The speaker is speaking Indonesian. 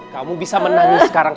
kamu bisa menangis sekarang